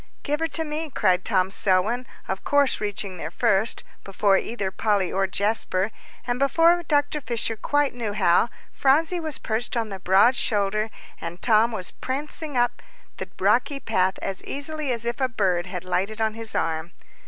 "Give her to me," cried Tom Selwyn, of course reaching there first, before either Polly or Jasper; and before Dr. Fisher quite knew how, Phronsie was perched on the broad shoulder, and Tom was prancing up the rocky path as easily as if a bird had lighted on his arm.